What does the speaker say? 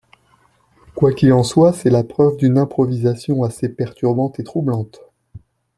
Quoi qu’il en soit, c’est là la preuve d’une improvisation assez perturbante et troublante.